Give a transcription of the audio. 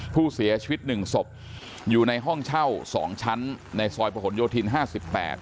ผู้เสียชีวิตหนึ่งศพอยู่ในห้องเช่าสองชั้นในซอยประหลโยธินห้าสิบแปด